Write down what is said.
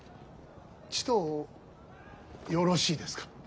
ちとよろしいですか。